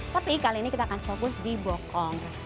tapi kali ini kita akan fokus di bokong